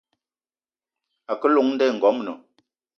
A ke llong nda i ngoamna.